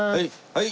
はい。